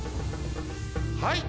はい！